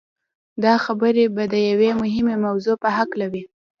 دا خبرې به د يوې مهمې موضوع په هکله وي.